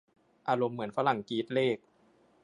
อารมณ์เหมือนฝรั่งกรี๊ดเลข